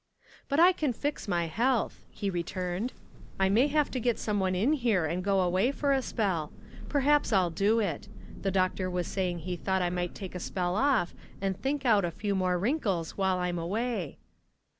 "But I can fix my health," he returned "I may have to get some one in here and go away for a spell. Perhaps I'll do it. The doctor was saying he thought I might take a spell off and think out a few more wrinkles while I'm away."